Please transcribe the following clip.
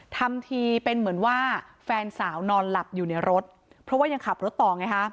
ทำทีเป็นเหมือนว่าแฟนสาวนอนหลับอยู่ในรถเพราะว่ายังขับรถต่อไงฮะ